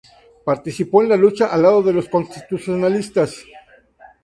Participó en la lucha al lado de los constitucionalistas.